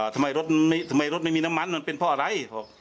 ทำไมรถไม่มีน้ำมันวิธีมันเป็นเพราะอะไร